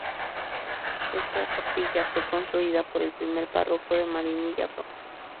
Esta Capilla fue construida por el primer párroco de Marinilla, Pbro.